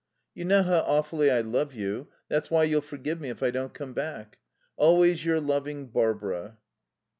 "You know how awfully I love you, that's why you'll forgive me if I don't come back. "Always your loving "Barbara."